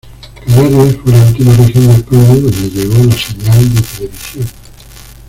Canarias fue la última región de España donde llegó la señal de televisión.